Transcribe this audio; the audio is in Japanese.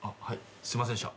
すいませんでした。